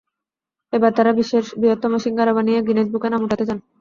এবার তাঁরা বিশ্বের বৃহত্তম শিঙাড়া বানিয়ে গিনেস বুকে নাম ওঠাতে চান।